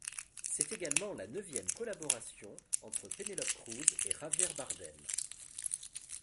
C'est également la neuvième collaboration entre Penélope Cruz et Javier Bardem.